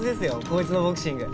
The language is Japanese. こいつのボクシング。